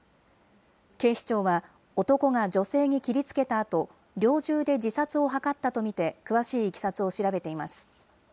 警視庁は、男が女性に切りつけたあと、猟銃で自殺を図ったと見て、詳しいいきさつを調べています。